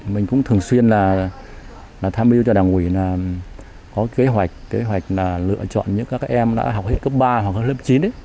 mình cũng thường xuyên tham biếu cho đảng ủy có kế hoạch lựa chọn những các em đã học hết cấp ba hoặc lớp chín